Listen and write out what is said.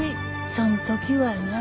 そんときはな